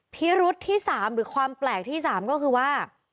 พิรุษที่๓หรือความแปลกที่๓ก็คือว่า